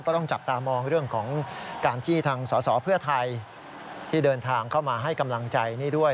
ต้องจับตามองเรื่องของการที่ทางสอสอเพื่อไทยที่เดินทางเข้ามาให้กำลังใจนี่ด้วย